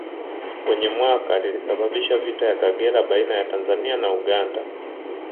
Kwenye mwaka lilisababisha vita ya Kagera baina ya Tanzania na Uganda